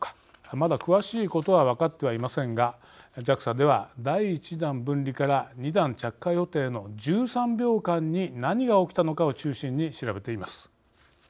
まだ詳しいことは分かってはいませんがＪＡＸＡでは第１段分離から２段着火予定の１３秒間に何が起きたのかを中心に調べています。